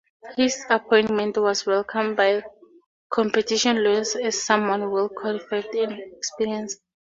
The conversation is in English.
His appointment was welcomed by competition lawyers as someone well qualified and experienced.